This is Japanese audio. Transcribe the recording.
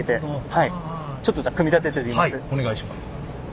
はいお願いします。